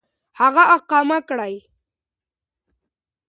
هغه اقامه كړي .